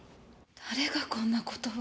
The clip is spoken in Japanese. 誰がこんな事を？